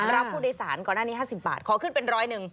รับผู้โดยสารก่อนหน้านี้๕๐บาทขอขึ้นเป็น๑๐๑